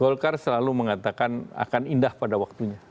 golkar selalu mengatakan akan indah pada waktunya